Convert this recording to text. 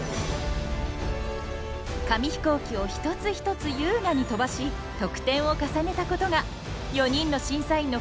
紙飛行機を一つ一つ優雅に飛ばし得点を重ねたことが４人の審査員の心をつかみました。